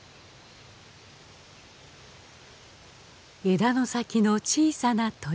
枝の先の小さな鳥。